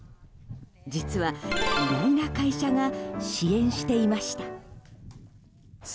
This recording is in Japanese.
実は、意外な会社が支援していました。